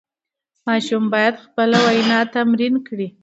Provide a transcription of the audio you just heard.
ماشوم باید خپله وینا تمرین کړي.